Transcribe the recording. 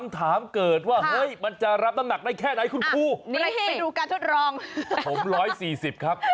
ผม๑๔๐กิโลกรัมครับ